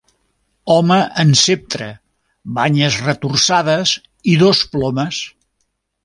Home amb ceptre, banyes retorçades i dos plomes.